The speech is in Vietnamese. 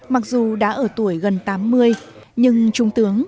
mặc dù đã ở tuổi gần tám mươi nhưng trung tướng